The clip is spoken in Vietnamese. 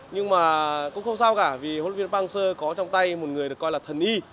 nhưng mà cũng không sao cả vì hồ tân viên bang sơ có trong tay một người được coi là thần y